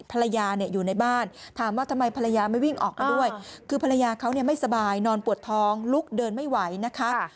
ภรรยาเนี่ยอยู่ในบ้านถามว่าทำไมภรรยาไม่วิ่งออกมาด้วยคือภรรยาเขาเนี่ยไม่สบายนอนปวดท้องลุกเดินไม่ไหวนะคะ